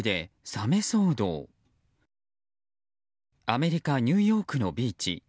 アメリカ・ニューヨークのビーチ。